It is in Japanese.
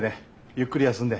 ゆっくり休んで。